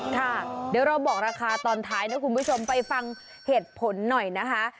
ค่ะเดี๋ยวเราบอกราคาตอนท้ายนะคุณผู้ชมไปฟังเหตุผลหน่อยนะคะ